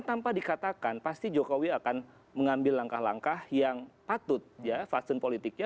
tanpa dikatakan pasti jokowi akan mengambil langkah langkah yang patut ya faksun politiknya